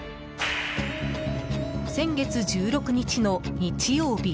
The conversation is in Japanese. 先月１６日の日曜日。